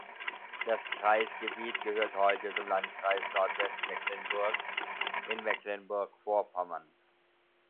Das Kreisgebiet gehört heute zum Landkreis Nordwestmecklenburg in Mecklenburg-Vorpommern.